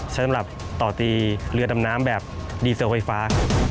สำหรับต่อตีเรือดำน้ำแบบดีเซลไฟฟ้า